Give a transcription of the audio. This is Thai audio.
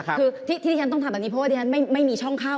คือที่ที่ฉันต้องทำแบบนี้เพราะว่าที่ฉันไม่มีช่องเข้า